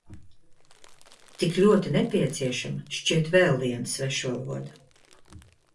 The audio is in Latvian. Tik ļoti nepieciešama šķiet vēl viena svešvaloda.